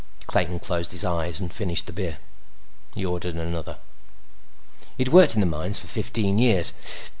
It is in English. Clayton closed his eyes and finished the beer. He ordered another. He'd worked in the mines for fifteen years.